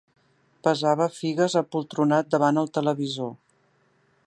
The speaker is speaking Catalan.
Pesava figues apoltronat davant el televisor.